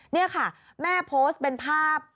นี่ค่ะแม่โพสต์เป็นภาพ